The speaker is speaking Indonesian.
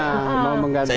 mau menggantikan kang emil